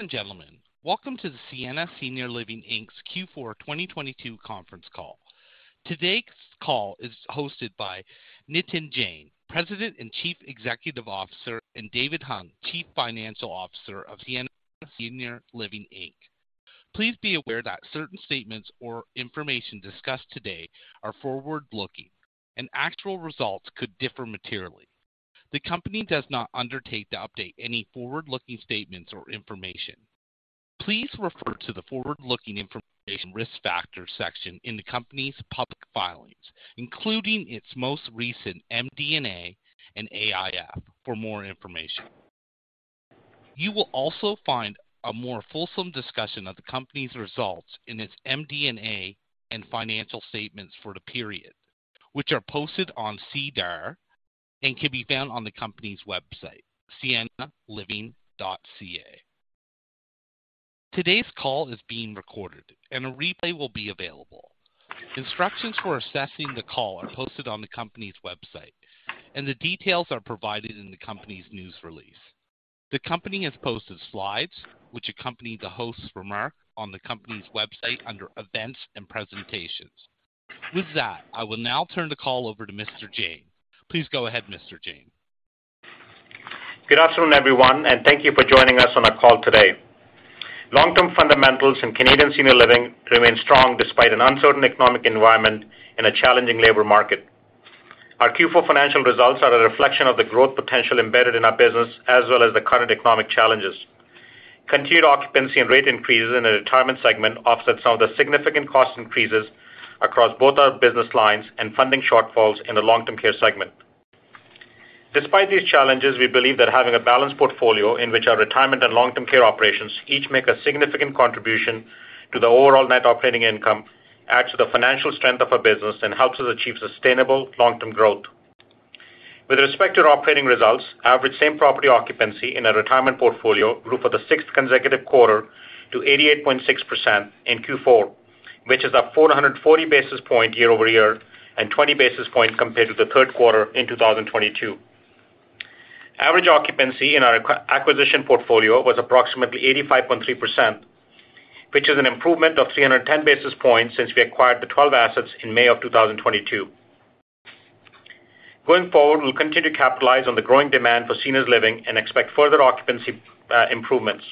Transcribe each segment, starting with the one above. Ladies and gentlemen, welcome to the Sienna Senior Living Inc.'s Q4 2022 conference call. Today's call is hosted by Nitin Jain, President and Chief Executive Officer, and David Hung, Chief Financial Officer of Sienna Senior Living Inc. Please be aware that certain statements or information discussed today are forward-looking and actual results could differ materially. The Company does not undertake to update any forward-looking statements or information. Please refer to the forward-looking information risk factor section in the Company's public filings, including its most recent MD&A and AIF for more information. You will also find a more fulsome discussion of the Company's results in its MD&A and financial statements for the period, which are posted on SEDAR and can be found on the company's website, siennaliving.ca. Today's call is being recorded, and a replay will be available. Instructions for accessing the call are hosted on the company's website, and the details are provided in the company's news release. The Company has posted slides which accompany the host's remark on the company's website under Events and Presentations. With that, I will now turn the call over to Mr. Jain. Please go ahead, Mr. Jain. Good afternoon, everyone, and thank you for joining us on our call today. Long-term fundamentals in Canadian senior living remain strong despite an uncertain economic environment in a challenging labor market. Our Q4 financial results are a reflection of the growth potential embedded in our business as well as the current economic challenges. Continued occupancy and rate increases in the retirement segment offset some of the significant cost increases across both our business lines and funding shortfalls in the long-term care segment. Despite these challenges, we believe that having a balanced portfolio in which our retirement and long-term care operations each make a significant contribution to the overall net operating income adds to the financial strength of a business and helps us achieve sustainable long-term growth. With respect to our operating results, average same-property occupancy in a retirement portfolio grew for the sixth consecutive quarter to 88.6% in Q4, which is up 440 basis points year-over-year and 20 basis points compared to the third quarter in 2022. Average occupancy in our acquisition portfolio was approximately 85.3%, which is an improvement of 310 basis points since we acquired the 12 assets in May of 2022. Going forward, we'll continue to capitalize on the growing demand for seniors living and expect further occupancy improvements.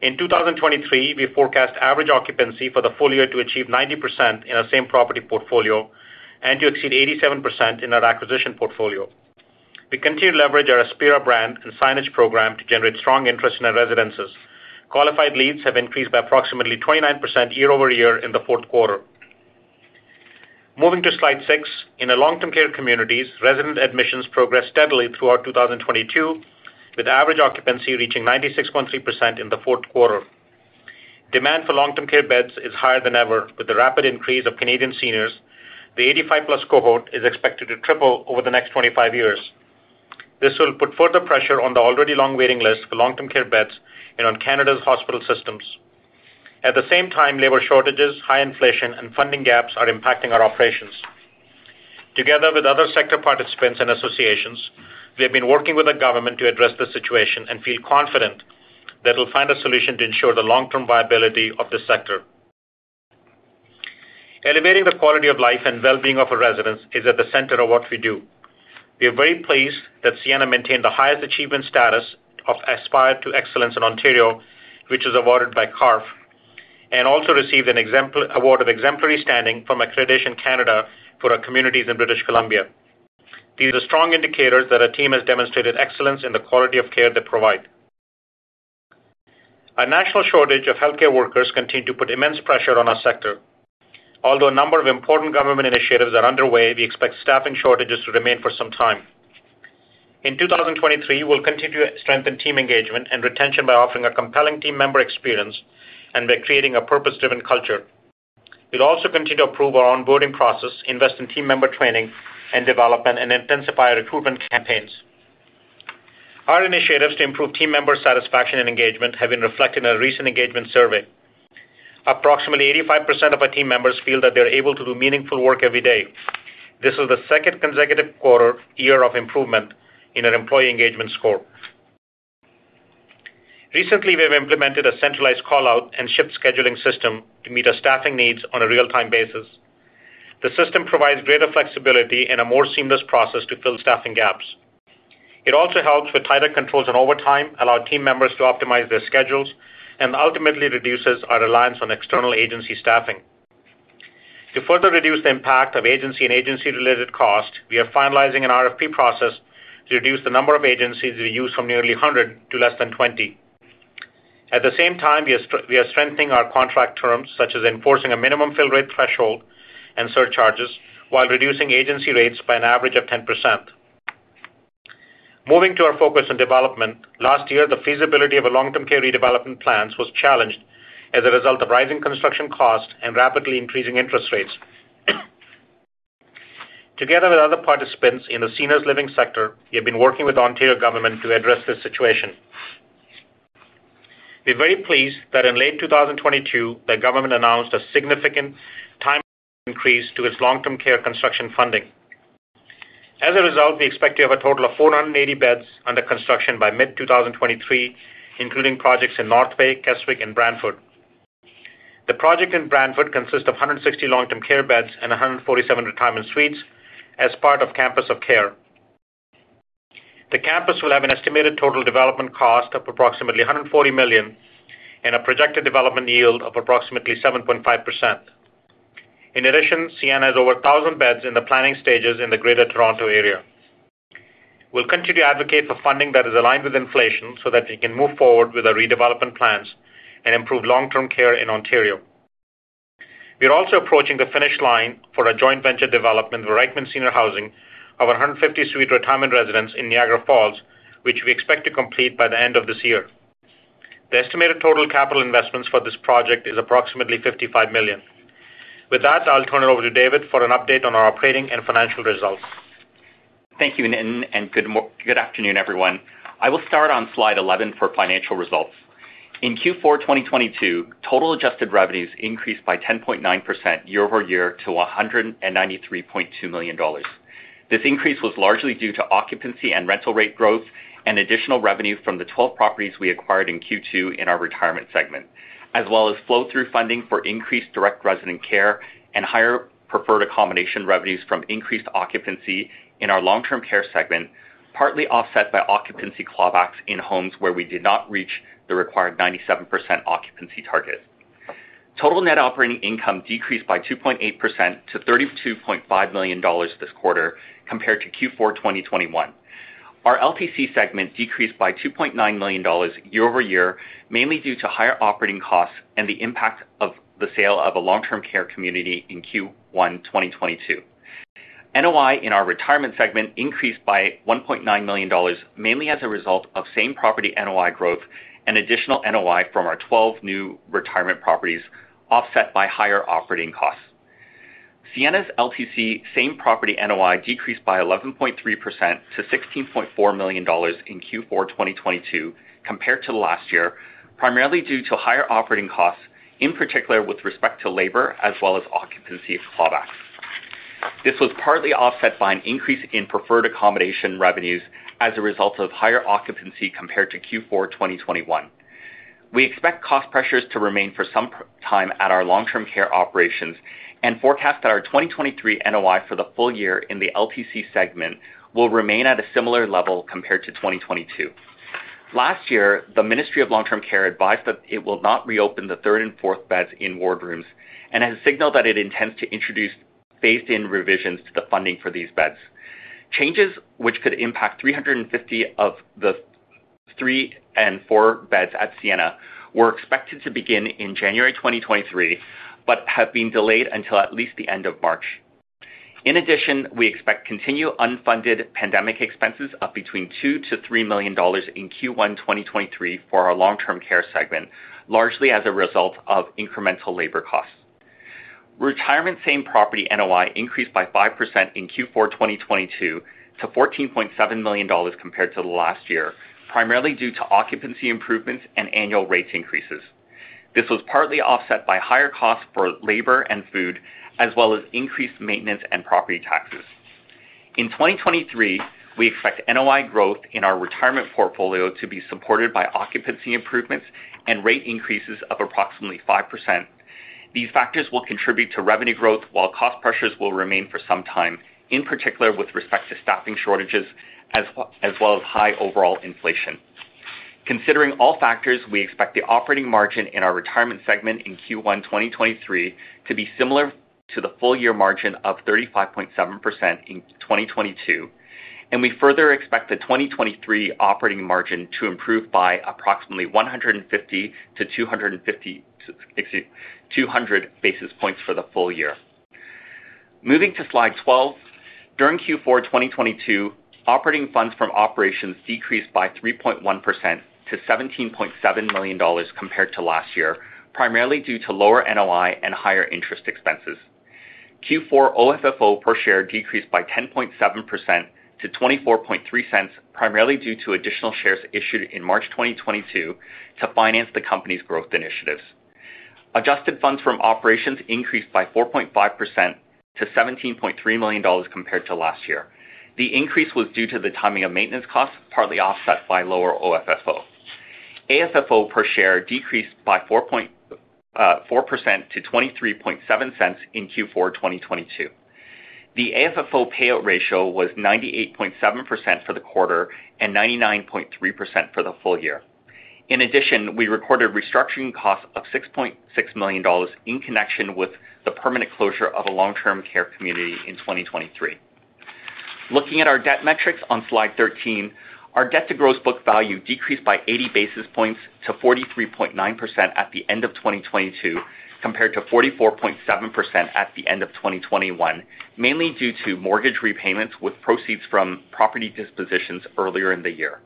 In 2023, we forecast average occupancy for the full year to achieve 90% in our same property portfolio and to exceed 87% in our acquisition portfolio. We continue to leverage our Aspira brand and signage program to generate strong interest in our residences. Qualified leads have increased by approximately 29% year-over-year in the fourth quarter. Moving to slide 6. In the long-term care communities, resident admissions progressed steadily throughout 2022, with average occupancy reaching 96.3% in the fourth quarter. Demand for long-term care beds is higher than ever. With the rapid increase of Canadian seniors, the 85+ cohort is expected to triple over the next 25 years. This will put further pressure on the already long waiting list for long-term care beds and on Canada's hospital systems. At the same time, labor shortages, high inflation, and funding gaps are impacting our operations. Together with other sector participants and associations, we have been working with the government to address the situation and feel confident that we'll find a solution to ensure the long-term viability of this sector. Elevating the quality of life and well-being of our residents is at the center of what we do. We are very pleased that Sienna maintained the highest achievement status of ASPIRE to Excellence in Ontario, which is awarded by CARF and also received an award of Exemplary Standing from Accreditation Canada for our communities in British Columbia. These are strong indicators that our team has demonstrated excellence in the quality of care they provide. A national shortage of healthcare workers continue to put immense pressure on our sector. Although a number of important government initiatives are underway, we expect staffing shortages to remain for some time. In 2023, we'll continue to strengthen team engagement and retention by offering a compelling team member experience and by creating a purpose-driven culture. We'll also continue to improve our onboarding process, invest in team member training and development, and intensify recruitment campaigns. Our initiatives to improve team member satisfaction and engagement have been reflected in a recent engagement survey. Approximately 85% of our team members feel that they are able to do meaningful work every day. This is the second consecutive quarter year of improvement in our employee engagement score. Recently, we have implemented a centralized call-out and shift scheduling system to meet our staffing needs on a real-time basis. The system provides greater flexibility and a more seamless process to fill staffing gaps. It also helps with tighter controls on overtime, allow team members to optimize their schedules, and ultimately reduces our reliance on external agency staffing. To further reduce the impact of agency and agency-related costs, we are finalizing an RFP process to reduce the number of agencies we use from nearly 100 to less than 20. At the same time, we are strengthening our contract terms, such as enforcing a minimum fill rate threshold and surcharges, while reducing agency rates by an average of 10%. Moving to our focus on development. Last year, the feasibility of a long-term care redevelopment plans was challenged as a result of rising construction costs and rapidly increasing interest rates. Together with other participants in the seniors living sector, we have been working with Ontario government to address this situation. We're very pleased that in late 2022, the government announced a significant time increase to its long-term care construction funding. We expect to have a total of 480 beds under construction by mid 2023, including projects in North Bay, Keswick, and Brantford. The project in Brantford consists of 160 long-term care beds and 147 retirement suites as part of Campus of Care. The campus will have an estimated total development cost of approximately 140 million and a projected development yield of approximately 7.5%. Sienna has over 1,000 beds in the planning stages in the Greater Toronto Area. We'll continue to advocate for funding that is aligned with inflation so that we can move forward with our redevelopment plans and improve long-term care in Ontario. We are also approaching the finish line for our joint venture development with Reichmann Seniors Housing of a 150 suite retirement residence in Niagara Falls, which we expect to complete by the end of this year. The estimated total capital investments for this project is approximately 55 million. With that, I'll turn it over to David for an update on our operating and financial results. Thank you, Nitin, good afternoon, everyone. I will start on slide 11 for financial results. In Q4 2022, total adjusted revenues increased by 10.9% year-over-year to 193.2 million dollars. This increase was largely due to occupancy and rental rate growth and additional revenue from the 12 properties we acquired in Q2 in our retirement segment. Flow-through funding for increased direct resident care and higher preferred accommodation revenues from increased occupancy in our long-term care segment, partly offset by occupancy clawbacks in homes where we did not reach the required 97% occupancy target. Total Net Operating Income decreased by 2.8% to 32.5 million dollars this quarter compared to Q4 2021. Our LTC segment decreased by 2.9 million dollars year-over-year, mainly due to higher operating costs and the impact of the sale of a long-term care community in Q1, 2022. NOI in our retirement segment increased by 1.9 million dollars, mainly as a result of same property NOI growth and additional NOI from our 12 new retirement properties, offset by higher operating costs. Sienna's LTC same property NOI decreased by 11.3% to 16.4 million dollars in Q4, 2022 compared to last year, primarily due to higher operating costs, in particular with respect to labor as well as occupancy clawbacks. This was partly offset by an increase in preferred accommodation revenues as a result of higher occupancy compared to Q4, 2021. We expect cost pressures to remain for some time at our long-term care operations and forecast that our 2023 NOI for the full year in the LTC segment will remain at a similar level compared to 2022. Last year, the Ministry of Long-Term Care advised that it will not reopen the third and fourth beds in wardrooms and has signaled that it intends to introduce phased-in revisions to the funding for these beds. Changes which could impact 350 of the 3 and 4 beds at Sienna were expected to begin in January 2023, but have been delayed until at least the end of March. In addition, we expect continued unfunded pandemic expenses of between 2 million-3 million dollars in Q1 2023 for our long-term care segment, largely as a result of incremental labor costs. Retirement same property NOI increased by 5% in Q4 2022 to $14.7 million compared to last year, primarily due to occupancy improvements and annual rate increases. This was partly offset by higher costs for labor and food, as well as increased maintenance and property taxes. In 2023, we expect NOI growth in our retirement portfolio to be supported by occupancy improvements and rate increases of approximately 5%. These factors will contribute to revenue growth while cost pressures will remain for some time, in particular with respect to staffing shortages as well as high overall inflation. Considering all factors, we expect the operating margin in our retirement segment in Q1 2023 to be similar to the full year margin of 35.7% in 2022. We further expect the 2023 operating margin to improve by approximately 150 to 200 basis points for the full year. Moving to slide 12. During Q4 2022, operating funds from operations decreased by 3.1% to 17.7 million dollars compared to last year, primarily due to lower NOI and higher interest expenses. Q4 OFFO per share decreased by 10.7% to 0.243, primarily due to additional shares issued in March 2022 to finance the company's growth initiatives. Adjusted funds from operations increased by 4.5% to 17.3 million dollars compared to last year. The increase was due to the timing of maintenance costs, partly offset by lower OFFO. AFFO per share decreased by 4.4% to 0.237 in Q4 2022. The AFFO payout ratio was 98.7% for the quarter and 99.3% for the full year. In addition, we recorded restructuring costs of 6.6 million dollars in connection with the permanent closure of a long-term care community in 2023. Looking at our debt metrics on slide 13, our debt to gross book value decreased by 80 basis points to 43.9% at the end of 2022, compared to 44.7% at the end of 2021, mainly due to mortgage repayments with proceeds from property dispositions earlier in the year.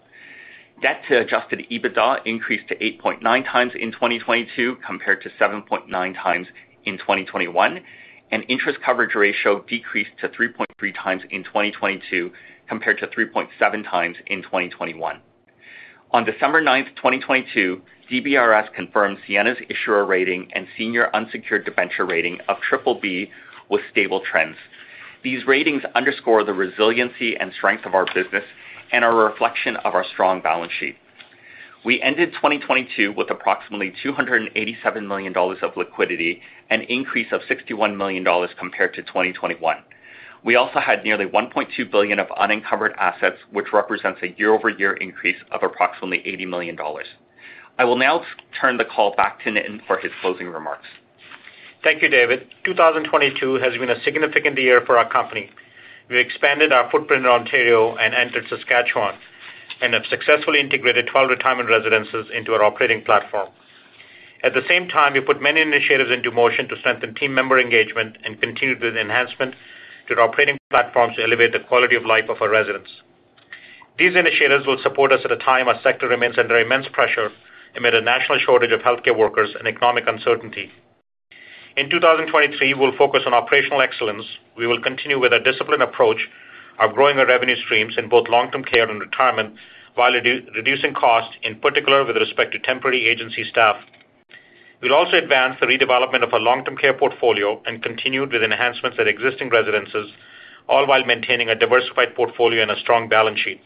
Debt to adjusted EBITDA increased to 8.9 times in 2022 compared to 7.9 times in 2021, and interest coverage ratio decreased to 3.3 times in 2022 compared to 3.7 times in 2021. On December 9, 2022, DBRS confirmed Sienna's issuer rating and senior unsecured debenture rating of BBB with stable trends. These ratings underscore the resiliency and strength of our business and are a reflection of our strong balance sheet. We ended 2022 with approximately 287 million dollars of liquidity, an increase of 61 million dollars compared to 2021. We also had nearly 1.2 billion of unencumbered assets, which represents a year-over-year increase of approximately 80 million dollars. I will now turn the call back to Nitin for his closing remarks. Thank you, David. 2022 has been a significant year for our company. We expanded our footprint in Ontario and entered Saskatchewan and have successfully integrated 12 retirement residences into our operating platform. At the same time, we put many initiatives into motion to strengthen team member engagement and continued with enhancements to our operating platforms to elevate the quality of life of our residents. These initiatives will support us at a time our sector remains under immense pressure amid a national shortage of healthcare workers and economic uncertainty. In 2023, we'll focus on operational excellence. We will continue with a disciplined approach of growing our revenue streams in both long-term care and retirement while reducing costs, in particular with respect to temporary agency staff. We'll also advance the redevelopment of our long-term care portfolio and continue with enhancements at existing residences, all while maintaining a diversified portfolio and a strong balance sheet.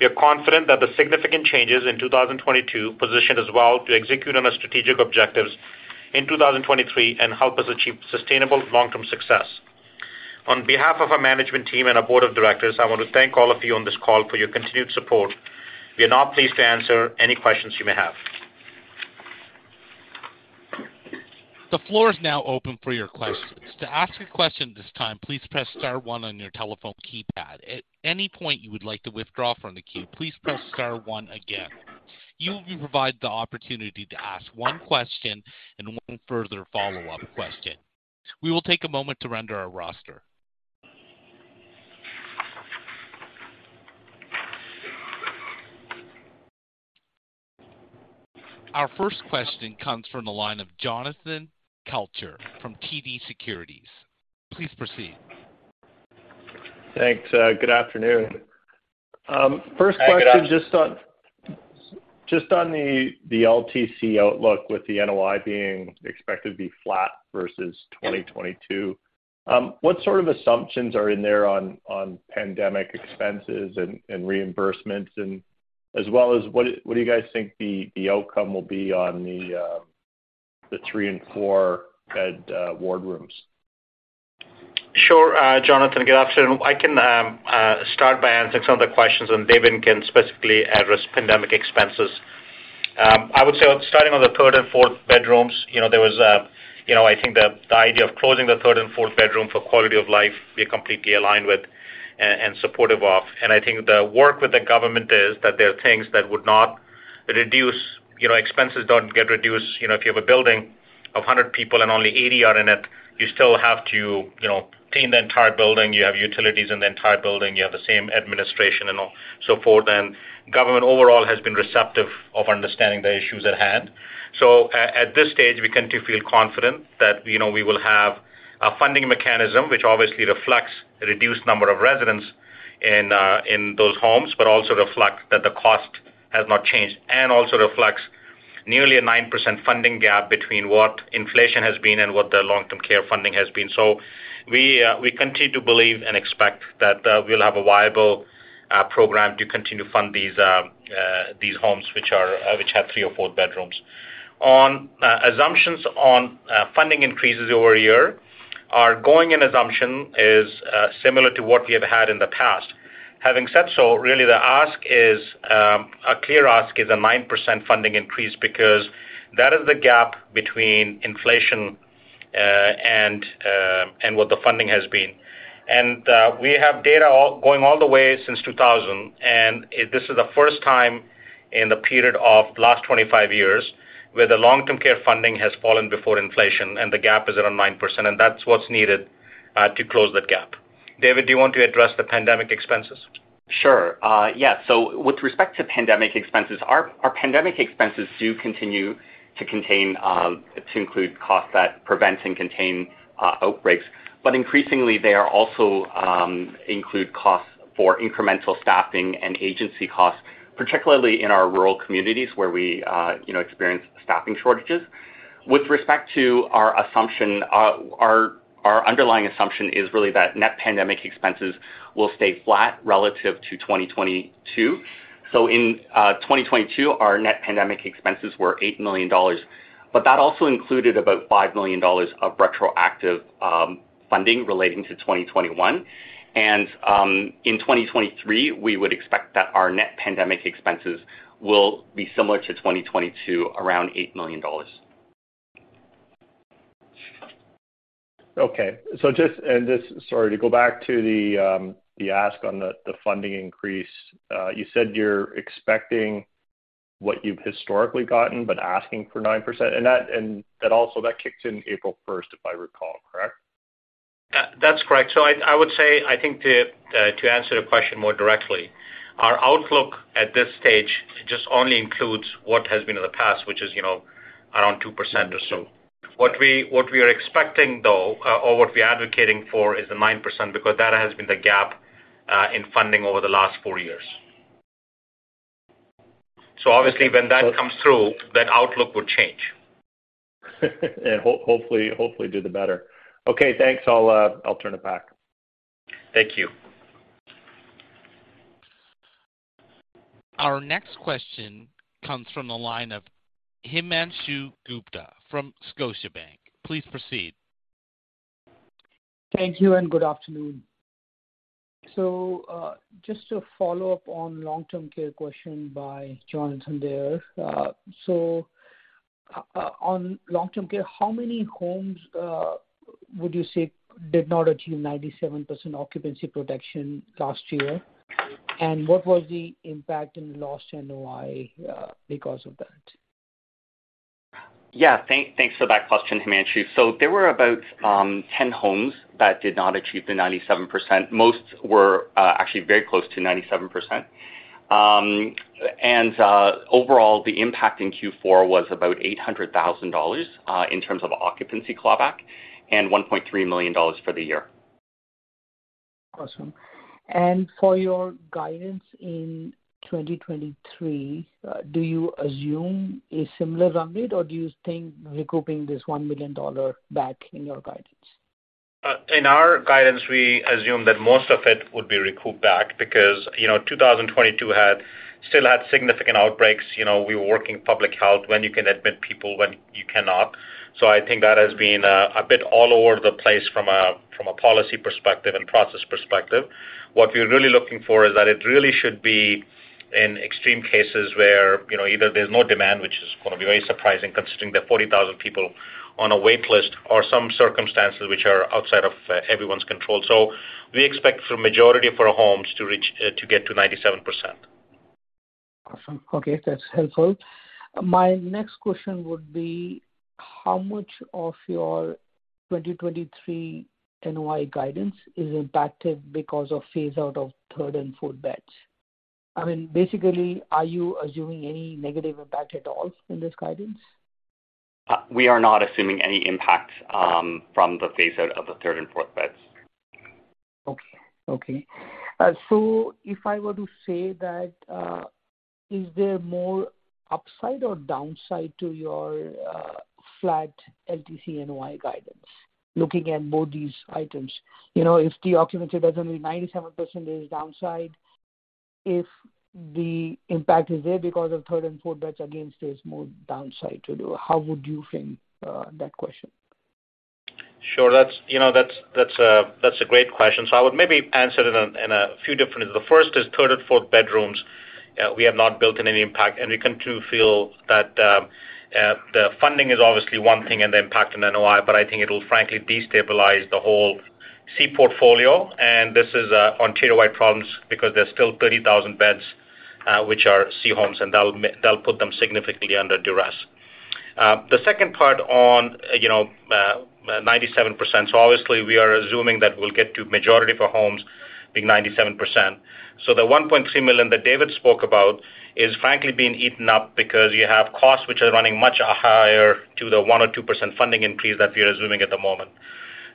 We are confident that the significant changes in 2022 position us well to execute on our strategic objectives in 2023 and help us achieve sustainable long-term success. On behalf of our management team and our board of directors, I want to thank all of you on this call for your continued support. We are now pleased to answer any questions you may have. The floor is now open for your questions. To ask a question at this time, please press star 1 on your telephone keypad. At any point you would like to withdraw from the queue, please press star 1 again. You will be provided the opportunity to ask 1 question and 1 further follow-up question. We will take a moment to render our roster. Our first question comes from the line of Jonathan Kelcher from TD Securities. Please proceed. Thanks. Good afternoon. First question just on, just on the LTC outlook with the NOI being expected to be flat versus 2022. What sort of assumptions are in there on pandemic expenses and reimbursements? As well as what do you guys think the outcome will be on the 3 and 4 bed, ward rooms? Sure, Jonathan. Good afternoon. I can start by answering some of the questions, and David can specifically address pandemic expenses. I would say starting on the third and fourth bedrooms, you know, there was a, you know, I think the idea of closing the third and fourth bedroom for quality of life, we are completely aligned with and supportive of. I think the work with the government is that there are things that would not reduce, you know, expenses don't get reduced. You know, if you have a building of 100 people and only 80 are in it, you still have to, you know, clean the entire building. You have utilities in the entire building. You have the same administration and all so forth. Government overall has been receptive of understanding the issues at hand. At this stage, we continue to feel confident that, you know, we will have a funding mechanism which obviously reflects the reduced number of residents in those homes, but also reflects that the cost has not changed and also reflects nearly a 9% funding gap between what inflation has been and what the long-term care funding has been. We continue to believe and expect that we'll have a viable program to continue to fund these homes which have three or four bedrooms. On assumptions on funding increases over a year, our going in assumption is similar to what we have had in the past. Having said so, really the ask is, a clear ask is a 9% funding increase because that is the gap between inflation and what the funding has been. We have data going all the way since 2000, and this is the first time in the period of last 25 years where the long-term care funding has fallen before inflation and the gap is around 9%, and that's what's needed to close that gap. David, do you want to address the pandemic expenses? Sure. With respect to pandemic expenses, our pandemic expenses do continue to contain, to include costs that prevent and contain outbreaks. Increasingly, they are also include costs for incremental staffing and agency costs, particularly in our rural communities where we, you know, experience staffing shortages. With respect to our assumption, our underlying assumption is really that net pandemic expenses will stay flat relative to 2022. In 2022, our net pandemic expenses were 8 million dollars, but that also included about 5 million dollars of retroactive funding relating to 2021. In 2023, we would expect that our net pandemic expenses will be similar to 2022, around 8 million dollars. Okay. Just sorry, to go back to the ask on the funding increase. You said you're expecting what you've historically gotten but asking for 9%. That also that kicks in April first, if I recall, correct? That's correct. I would say, I think to answer the question more directly, our outlook at this stage just only includes what has been in the past, which is, you know, around 2% or so. What we are expecting though, or what we are advocating for is the 9%, because that has been the gap in funding over the last four years. Obviously, when that comes through, that outlook would change. Hopefully do the better. Okay, thanks. I'll turn it back. Thank you. Our next question comes from the line of Himanshu Gupta from Scotiabank. Please proceed. Thank you and good afternoon. Just to follow up on long-term care question by Jonathan there. On long-term care, how many homes would you say did not achieve 97% occupancy protection last year? What was the impact in lost NOI because of that? thanks for that question, Himanshu. There were about ten homes that did not achieve the 97%. Most were actually very close to 97%. Overall, the impact in Q4 was about 800,000 dollars in terms of occupancy clawback and 1.3 million dollars for the year. Awesome. for your guidance in 2023, do you assume a similar run rate, or do you think recouping this 1 million dollar back in your guidance? In our guidance, we assume that most of it would be recouped back because, you know, 2022 had, still had significant outbreaks. You know, we were working public health when you can admit people, when you cannot. I think that has been a bit all over the place from a policy perspective and process perspective. What we're really looking for is that it really should be in extreme cases where, you know, either there's no demand, which is gonna be very surprising considering the 40,000 people on a waitlist or some circumstances which are outside of everyone's control. We expect for majority of our homes to reach to get to 97%. Awesome. Okay, that's helpful. My next question would be: how much of your 2023 NOI guidance is impacted because of phase out of third and fourth beds? I mean, basically, are you assuming any negative impact at all in this guidance? We are not assuming any impact, from the phase out of the third and fourth beds. If I were to say that, is there more upside or downside to your flat LTC NOI guidance, looking at both these items? You know, if the occupancy that's only 97% is downside, if the impact is there because of third and fourth beds, again, there's more downside to do. How would you frame that question? Sure. That's, you know, that's a great question. I would maybe answer it in a few different... The first is third and fourth bedrooms, we have not built in any impact, and we continue to feel that the funding is obviously one thing and the impact in NOI, but I think it'll frankly destabilize the whole C portfolio. This is Ontario-wide problems because there's still 30,000 beds, which are C homes, and that'll put them significantly under duress. The second part on, you know, 97%. Obviously, we are assuming that we'll get to majority of our homes being 97%. The 1.3 million that David spoke about is frankly being eaten up because you have costs which are running much higher to the 1% or 2% funding increase that we are assuming at the moment.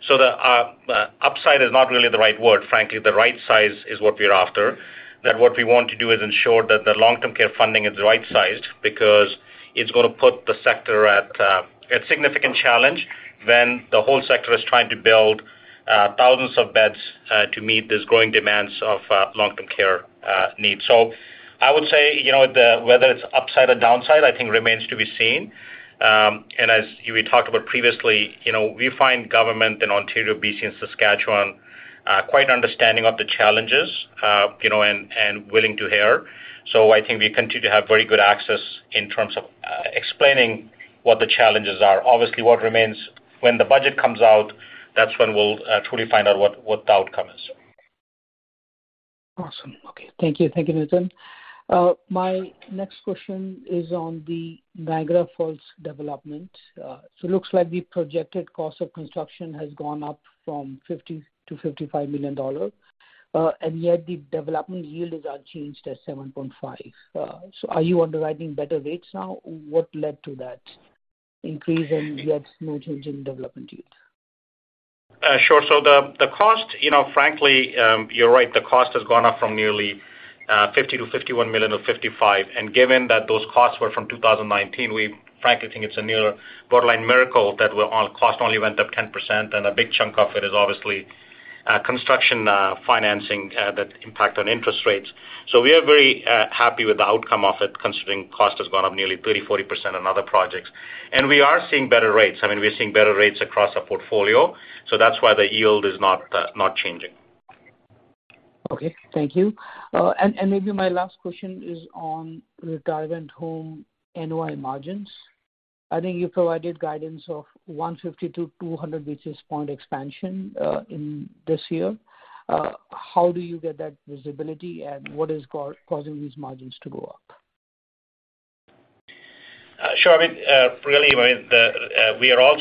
The upside is not really the right word, frankly. The right size is what we're after. What we want to do is ensure that the long-term care funding is right-sized because it's gonna put the sector at significant challenge when the whole sector is trying to build thousands of beds to meet these growing demands of long-term care needs. I would say, you know, whether it's upside or downside, I think remains to be seen. As we talked about previously, you know, we find government in Ontario, BC, and Saskatchewan, quite understanding of the challenges, you know, and willing to hear. I think we continue to have very good access in terms of explaining what the challenges are. Obviously, what remains when the budget comes out, that's when we'll truly find out what the outcome is. Awesome. Okay. Thank you. Thank you, Nitin. My next question is on the Niagara Falls development. Looks like the projected cost of construction has gone up from 50 million-55 million dollars, and yet the development yield is unchanged at 7.5%. Are you underwriting better rates now? What led to that increase and yet no change in development yield? Sure. The cost, you know, frankly, you're right, the cost has gone up from nearly 50 million to 51 million to 55 million. Given that those costs were from 2019, we frankly think it's a near borderline miracle that cost only went up 10%, and a big chunk of it is obviously, construction, financing, that impact on interest rates. We are very, happy with the outcome of it, considering cost has gone up nearly 30%-40% on other projects. We are seeing better rates. I mean, we're seeing better rates across our portfolio, so that's why the yield is not changing. Okay. Thank you. Maybe my last question is on retirement home NOI margins. I think you provided guidance of 150-200 basis point expansion in this year. How do you get that visibility, and what is causing these margins to go up? Sure. I mean, really, I mean, the, we are all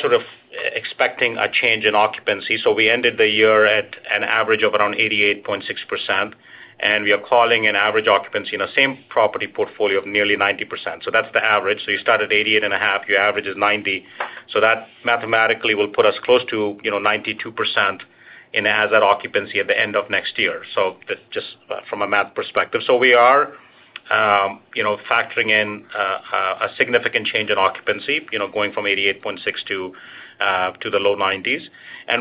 expecting a change in occupancy. We ended the year at an average of around 88.6%, and we are calling an average occupancy in the same property portfolio of nearly 90%. That's the average. You start at 88.5, your average is 90. That mathematically will put us close to, you know, 92% in asset occupancy at the end of next year. Just from a math perspective. We are, you know, factoring in a significant change in occupancy, you know, going from 88.6 to the low 90s.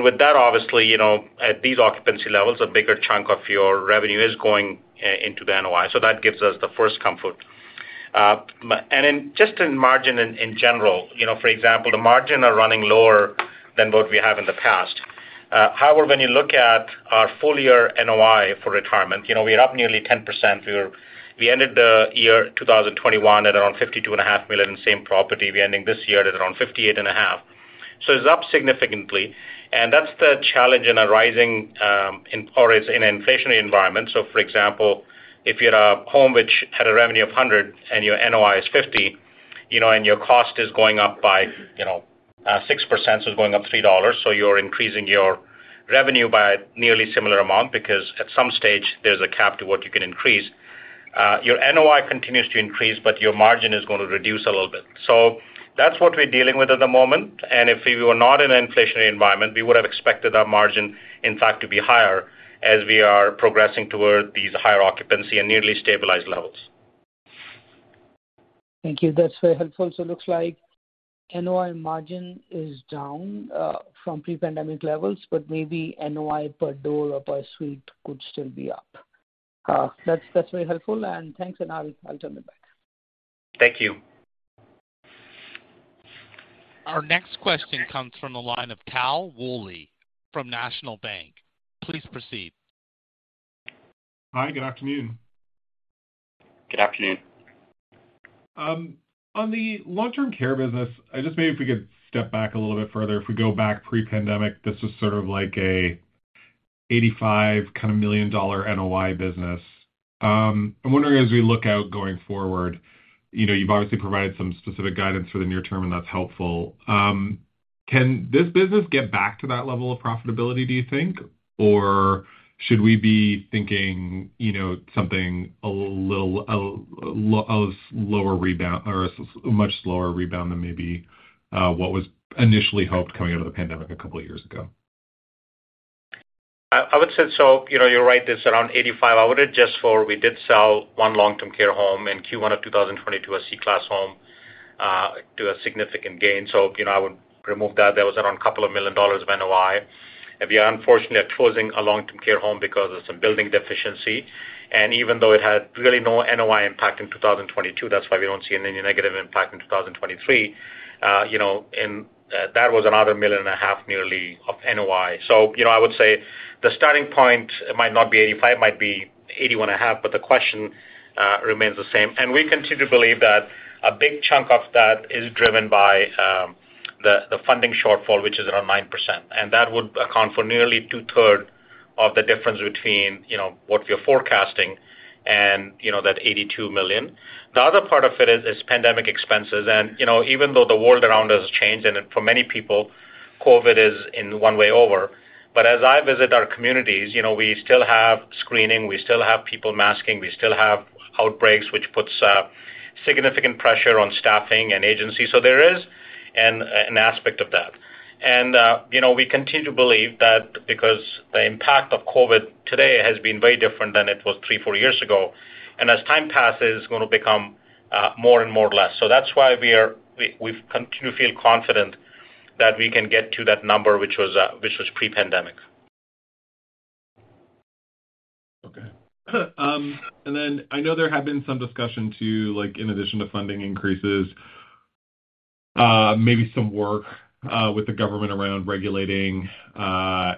With that, obviously, you know, at these occupancy levels, a bigger chunk of your revenue is going into the NOI. That gives us the first comfort. Just in margin in general, you know, for example, the margin are running lower than what we have in the past. However, when you look at our full year NOI for retirement, you know, we're up nearly 10%. We ended the year 2021 at around 52 and a half million, same property. We're ending this year at around 58 and a half million. It's up significantly. That's the challenge in a rising in or is in an inflationary environment. For example, if you had a home which had a revenue of 100 and your NOI is 50, you know, and your cost is going up by, you know, 6%, so it's going up 3 dollars, so you're increasing your revenue by nearly similar amount, because at some stage there's a cap to what you can increase. Your NOI continues to increase, but your margin is gonna reduce a little bit. That's what we're dealing with at the moment. If we were not in an inflationary environment, we would have expected our margin, in fact, to be higher as we are progressing toward these higher occupancy and nearly stabilized levels. Thank you. That's very helpful. Looks like NOI margin is down, from pre-pandemic levels, but maybe NOI per door or per suite could still be up. That's very helpful. Thanks. I'll jump it back. Thank you. Our next question comes from the line of Tal Woolley from National Bank. Please proceed. Hi, good afternoon. Good afternoon. On the long-term care business, I just maybe if we could step back a little bit further. If we go back pre-pandemic, this is sort of like a 85 million dollar NOI business. I'm wondering as we look out going forward, you know, you've obviously provided some specific guidance for the near term, and that's helpful. Can this business get back to that level of profitability, do you think? Should we be thinking, you know, something a little, a lower rebound or a much slower rebound than maybe, what was initially hoped coming out of the pandemic a couple of years ago? I would say so. You know, you're right, it's around 85. I would adjust for we did sell 1 long-term care home in Q1 of 2020 to a Class C home, to a significant gain. You know, I would remove that. That was around a couple of million CAD of NOI. We are unfortunately closing a long-term care home because of some building deficiency. Even though it had really no NOI impact in 2022, that's why we don't see any negative impact in 2023, you know, that was another million and a half nearly of NOI. You know, I would say the starting point, it might not be 85, it might be 81.5, but the question remains the same. We continue to believe that a big chunk of that is driven by the funding shortfall, which is around 9%. That would account for nearly two-third of the difference between, you know, what we are forecasting and, you know, that $82 million. The other part of it is pandemic expenses. You know, even though the world around us has changed, and for many people, COVID is in one way over. As I visit our communities, you know, we still have screening, we still have people masking, we still have outbreaks, which puts significant pressure on staffing and agencies. There is an aspect of that. you know, we continue to believe that because the impact of COVID today has been very different than it was three, four years ago, and as time passes, it's gonna become more and more less. That's why we continue to feel confident that we can get to that number, which was pre-pandemic. I know there have been some discussion too, like in addition to funding increases, maybe some work with the government around regulating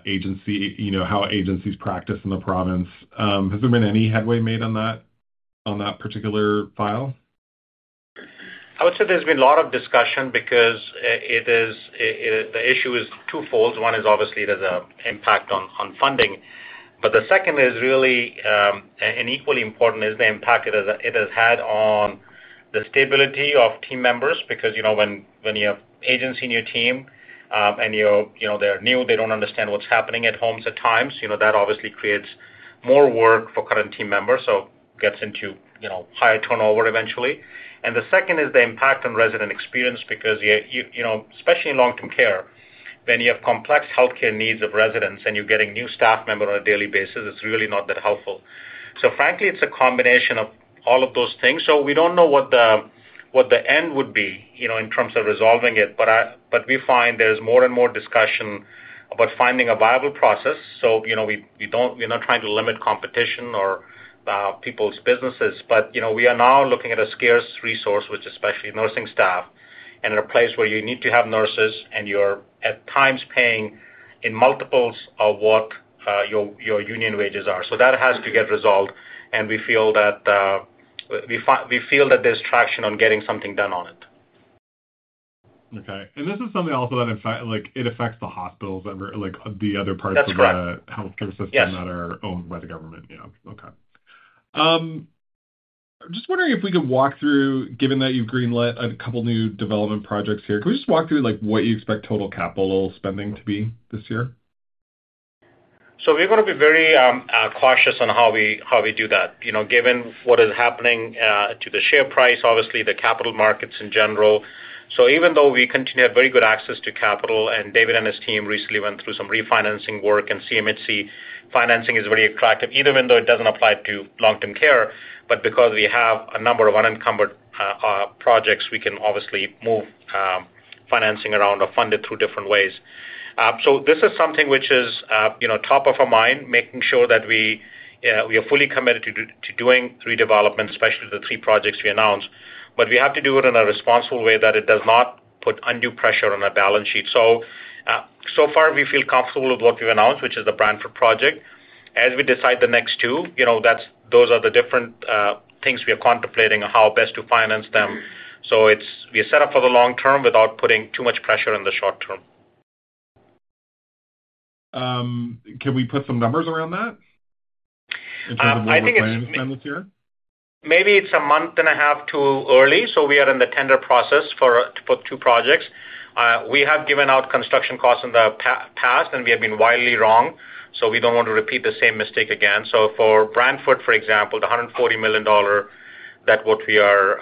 agency, you know, how agencies practice in the province. Has there been any headway made on that particular file? I would say there's been a lot of discussion because the issue is twofold. One is obviously there's a impact on funding, but the second is really, and equally important, is the impact it has had on the stability of team members because, you know, when you have agents in your team, and you're, you know, they're new, they don't understand what's happening at home at times, you know, that obviously creates more work for current team members, so gets into, you know, higher turnover eventually. The second is the impact on resident experience because you know, especially in long-term care, when you have complex healthcare needs of residents and you're getting new staff member on a daily basis, it's really not that helpful. Frankly, it's a combination of all of those things. We don't know what the end would be, you know, in terms of resolving it, but we find there's more and more discussion about finding a viable process. You know, we're not trying to limit competition or people's businesses, but, you know, we are now looking at a scarce resource with, especially nursing staff, and in a place where you need to have nurses and you're at times paying in multiples of what your union wages are. That has to get resolved, and we feel that there's traction on getting something done on it. Okay. This is something also that in fact, like, it affects the hospitals that like the other parts. That's correct. Of the healthcare system. Yes. That are owned by the government. Yeah. Okay. I'm just wondering if we could walk through, given that you've greenlit a couple new development projects here, can we just walk through, like, what you expect total capital spending to be this year? We're gonna be very cautious on how we do that, you know, given what is happening to the share price, obviously the capital markets in general. Even though we continue to have very good access to capital, and David and his team recently went through some refinancing work, and CMHC financing is very attractive, even though it doesn't apply to long-term care, but because we have a number of unencumbered projects, we can obviously move financing around or fund it through different ways. This is something which is, you know, top of our mind, making sure that we are fully committed to doing three developments, especially the three projects we announced. We have to do it in a responsible way that it does not put undue pressure on our balance sheet. So far, we feel comfortable with what we've announced, which is the Brantford project. As we decide the next two, you know, those are the different things we are contemplating on how best to finance them. We are set up for the long term without putting too much pressure in the short term. Can we put some numbers around that? I think it's- In terms of what we're planning to spend this year. Maybe it's a month and a half too early, so we are in the tender process for two projects. We have given out construction costs in the past, and we have been widely wrong, so we don't want to repeat the same mistake again. For Brantford, for example, the 140 million dollar, that what we are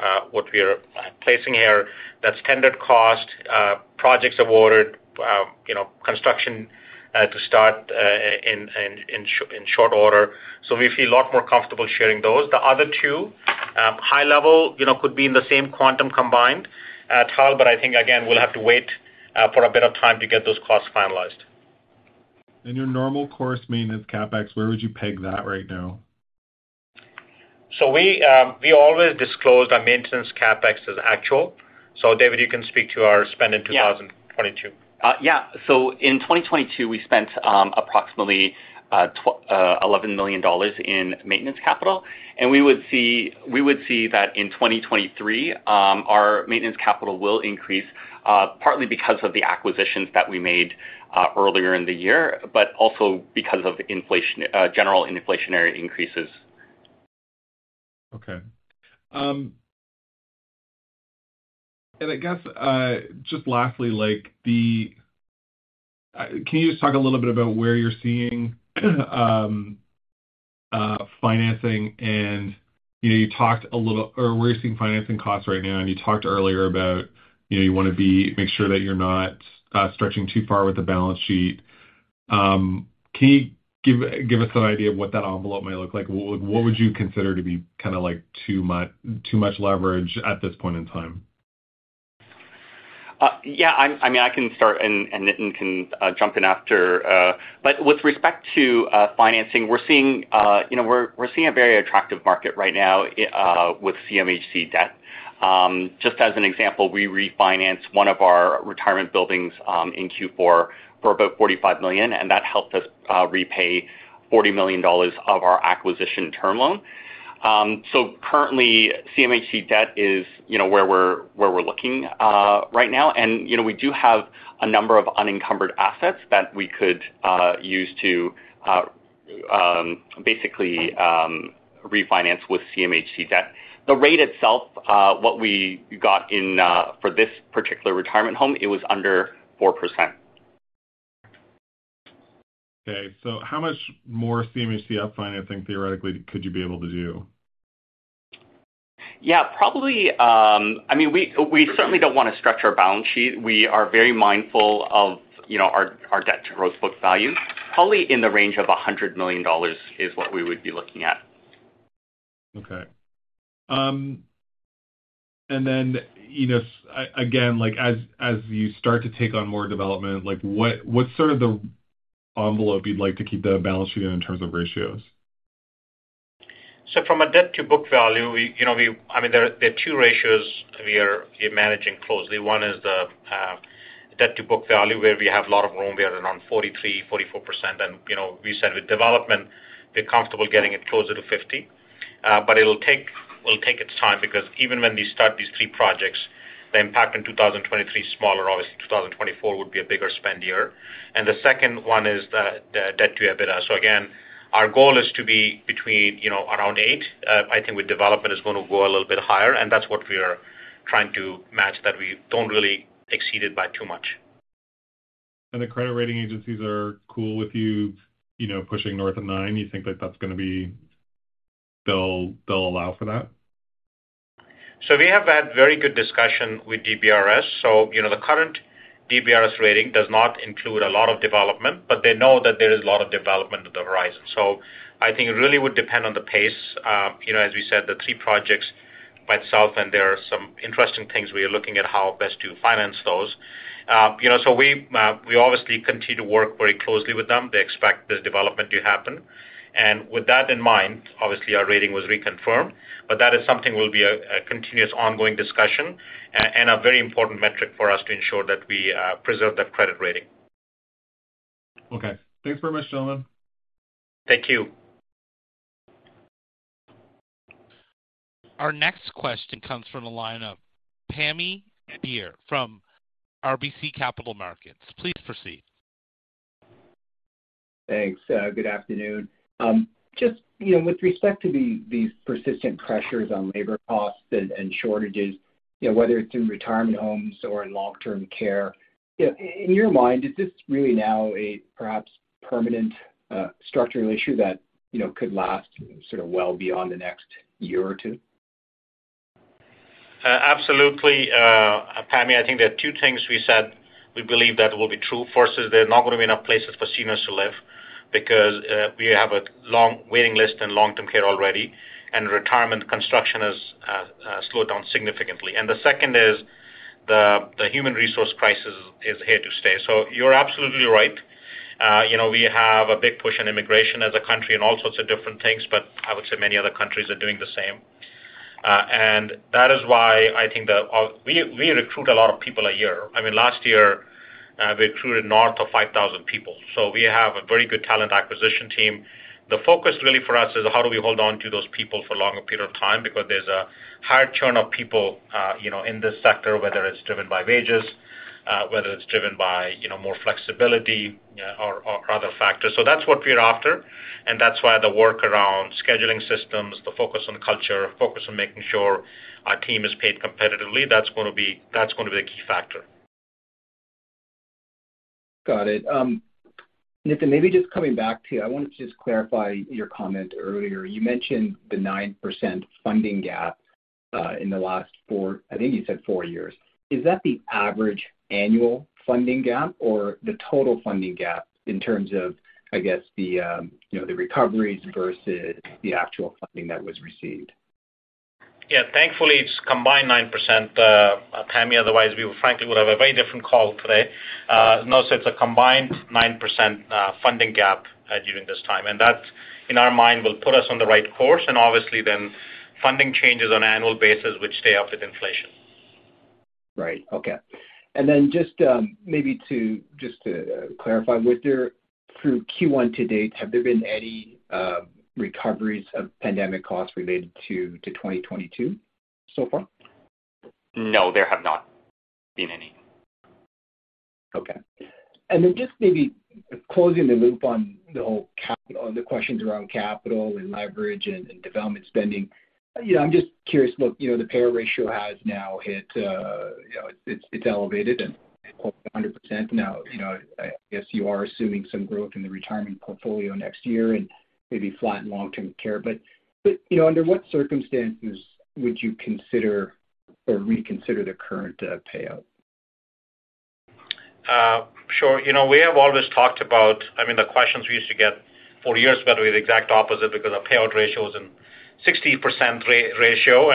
placing here, that's tended cost projects awarded, you know, construction to start in short order. We feel a lot more comfortable sharing those. The other two, high level, you know, could be in the same quantum combined total, but I think again, we'll have to wait for a bit of time to get those costs finalized. In your normal course maintenance CapEx, where would you peg that right now? We always disclose our maintenance CapEx as actual. David, you can speak to our spend in 2022. Yeah. In 2022, we spent approximately 11 million dollars in maintenance capital. We would see that in 2023, our maintenance capital will increase, partly because of the acquisitions that we made earlier in the year, but also because of inflation, general inflationary increases. Okay. I guess, just lastly, can you just talk a little bit about where you're seeing financing and, you know, where you're seeing financing costs right now? You talked earlier about, you know, make sure that you're not stretching too far with the balance sheet. Can you give us an idea of what that envelope may look like? What would you consider to be kinda like too much leverage at this point in time? Yeah. I mean, I can start and Nitin can jump in after. With respect to financing, we're seeing, you know, we're seeing a very attractive market right now with CMHC debt. Just as an example, we refinanced one of our retirement buildings in Q4 for about 45 million, and that helped us repay 40 million dollars of our acquisition term loan. Currently, CMHC debt is, you know, where we're looking right now. You know, we do have a number of unencumbered assets that we could use to basically refinance with CMHC debt. The rate itself, what we got in for this particular retirement home, it was under 4%. Okay. How much more CMHC up financing theoretically could you be able to do? Probably, I mean, we certainly don't wanna stretch our balance sheet. We are very mindful of, you know, our debt to gross book value. Probably in the range of 100 million dollars is what we would be looking at. Okay. Then, you know, again, like as you start to take on more development, like what's sort of the envelope you'd like to keep the balance sheet in terms of ratios? From a debt to book value, we, you know, I mean, there are two ratios we're managing closely. One is the debt to book value, where we have a lot of room. We are around 43%-44% and, you know, we said with development, we're comfortable getting it closer to 50. It'll take its time because even when we start these three projects, the impact in 2023 is smaller. Obviously, 2024 would be a bigger spend year. The second one is the debt to EBITDA. Again, our goal is to be between, you know, around 8. I think with development, it's gonna go a little bit higher, and that's what we are trying to match, that we don't really exceed it by too much. The credit rating agencies are cool with you know, pushing north of nine. You think that that's gonna they'll allow for that? We have had very good discussion with DBRS. You know, the current DBRS rating does not include a lot of development, but they know that there is a lot of development on the horizon. I think it really would depend on the pace. You know, as we said, the three projects by itself, and there are some interesting things we are looking at how best to finance those. You know, we obviously continue to work very closely with them. They expect this development to happen. With that in mind, obviously, our rating was reconfirmed, but that is something will be a continuous ongoing discussion, and a very important metric for us to ensure that we preserve that credit rating. Okay. Thanks very much, gentlemen. Thank you. Our next question comes from the line of Pammi Bir from RBC Capital Markets. Please proceed. Thanks. Good afternoon. Just, you know, with respect to these persistent pressures on labor costs and shortages, you know, whether it's in retirement homes or in long-term care, you know, in your mind, is this really now a perhaps permanent, structural issue that, you know, could last sort of well beyond the next year or 2? Absolutely, Pammi. I think there are two things we said we believe that will be true. First, is there's not gonna be enough places for seniors to live because we have a long waiting list in long-term care already, and retirement construction has slowed down significantly. The second is the human resource crisis is here to stay. You're absolutely right. you know, we have a big push in immigration as a country and all sorts of different things, but I would say many other countries are doing the same. That is why I think we recruit a lot of people a year. I mean, last year, we recruited north of 5,000 people, so we have a very good talent acquisition team. The focus really for us is how do we hold on to those people for a longer period of time because there's a higher churn of people, you know, in this sector, whether it's driven by wages, whether it's driven by, you know, more flexibility, you know, or other factors. That's what we're after, and that's why the work around scheduling systems, the focus on culture, focus on making sure our team is paid competitively, that's gonna be a key factor. Got it. Nitin, maybe just coming back to you. I want to just clarify your comment earlier. You mentioned the 9% funding gap in the last 4... I think you said four years. Is that the average annual funding gap or the total funding gap in terms of, I guess, the, you know, the recoveries versus the actual funding that was received? Yeah. Thankfully, it's combined 9%, Tammy. Otherwise, we frankly would have a very different call today. No, it's a combined 9% funding gap during this time. That, in our mind, will put us on the right course and obviously then funding changes on an annual basis which stay up with inflation. Right. Okay. Just to clarify, was there, through Q1 to date, have there been any recoveries of pandemic costs related to 2022 so far? No, there have not been any. Okay. Just maybe closing the loop on the questions around capital and leverage and development spending. You know, I'm just curious. Look, you know, the payout ratio has now hit, you know, it's elevated and almost 100% now. You know, I guess you are assuming some growth in the retirement portfolio next year and maybe flat in long-term care. You know, under what circumstances would you consider or reconsider the current payout? Sure. You know, we have always talked about, I mean, the questions we used to get four years back were the exact opposite because our payout ratio was in 60% ratio.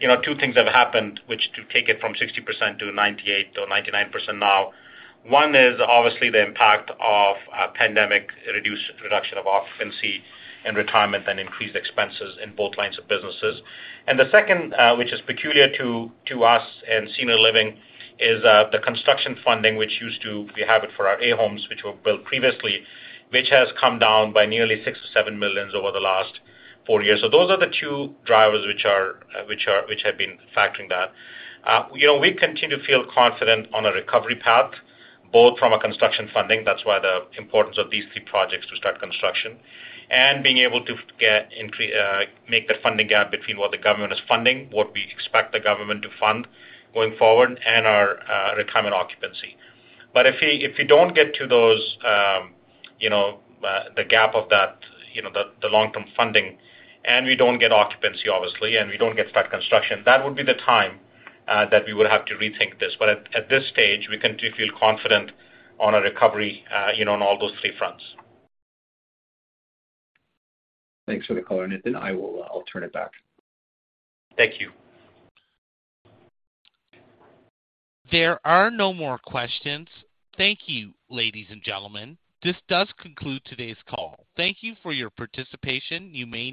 You know, two things have happened which to take it from 60% to 98% or 99% now. One is obviously the impact of pandemic reduction of occupancy and retirement and increased expenses in both lines of businesses. The second, which is peculiar to us in senior living is the construction funding, which used to, we have it for our A homes, which were built previously, which has come down by nearly 6 million-7 million over the last four years. Those are the two drivers which are factoring that. You know, we continue to feel confident on a recovery path, both from a construction funding, that's why the importance of these three projects to start construction, and being able to get, make the funding gap between what the government is funding, what we expect the government to fund going forward, and our retirement occupancy. If we, if we don't get to those, you know, the gap of that, you know, the long-term funding, and we don't get occupancy, obviously, and we don't get start construction, that would be the time that we would have to rethink this. At, at this stage, we continue to feel confident on a recovery, you know, on all those three fronts. Thanks for the color, Nitin. I'll turn it back. Thank you. There are no more questions. Thank you, ladies and gentlemen. This does conclude today's call. Thank you for your participation. You may now-